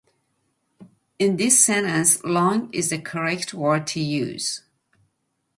In this sentence, "long" is the correct word to use.